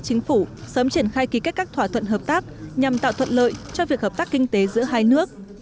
chính phủ sớm triển khai ký kết các thỏa thuận hợp tác nhằm tạo thuận lợi cho việc hợp tác kinh tế giữa hai nước